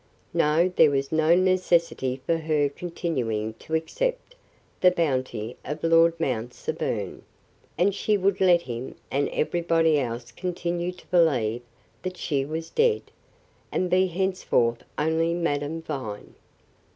No, there was no necessity for her continuing to accept the bounty of Lord Mount Severn, and she would let him and everybody else continue to believe that she was dead, and be henceforth only Madame Vine.